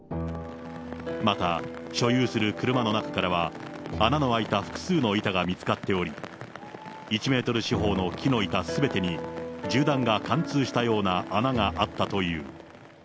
また、所有する車の中からは、穴の開いた複数の板が見つかっており、１メートル四方の木の板すべてに、銃弾が貫通したような穴があったという。